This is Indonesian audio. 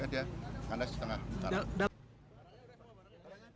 dia kandas di tengah karang